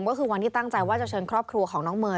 ก็คือวันที่ตั้งใจว่าจะเชิญครอบครัวของน้องเมย์